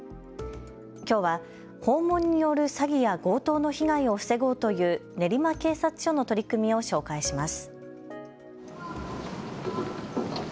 きょうは訪問による詐欺や強盗の被害を防ごうという練馬警察署の取り組みを紹介します。